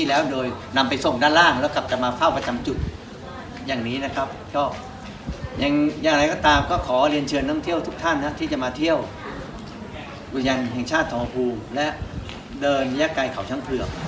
ก็อย่างไรก็ตามก็ขอเรียนเชิญน้ำเที่ยวทุกท่านนะที่จะมาเที่ยวกุญญันแห่งชาติธรรมภูมิและเดินยากไก่เขาช้างเผือก